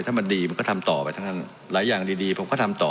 ถ้ามันดีมันก็ทำต่อไปทั้งนั้นหลายอย่างดีผมก็ทำต่อ